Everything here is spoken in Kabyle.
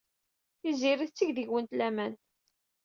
Tiziri tetteg deg-went laman.